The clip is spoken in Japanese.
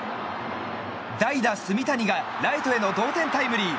代打、炭谷がライトへの同点タイムリー。